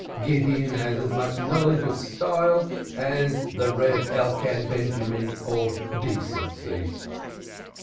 Gideon has as much knowledge or style as the Rev. Elkan Benjamin of decency.